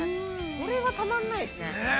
これがたまらないですね。